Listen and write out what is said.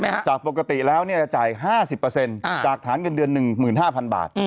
เป็น๖๒จากปกติแล้วจะจ่าย๕๐จากฐานเงินเดือน๑๕๐๐๐บาท